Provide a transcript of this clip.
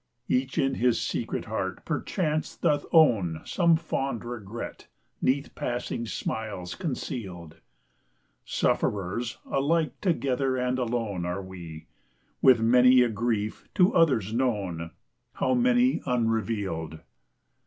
Each in his secret heart perchance doth own Some fond regret 'neath passing smiles concealed; Sufferers alike together and alone Are we; with many a grief to others known, How many unrevealed!